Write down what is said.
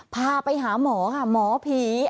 พาไปหาหมอค่ะหมอผี